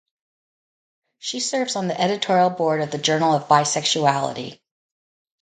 She serves on the editorial board of the "Journal of Bisexuality".